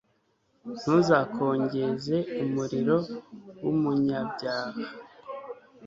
ntuzakongeze umuriro w'umunyabyaha